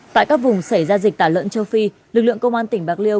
tại các vùng xảy ra dịch tả lợn châu phi lực lượng công an tỉnh bạc liêu